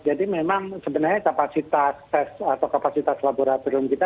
jadi memang sebenarnya kapasitas tes atau kapasitas laboratorium kita